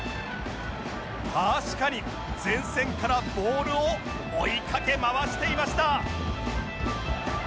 確かに前線からボールを追いかけ回していました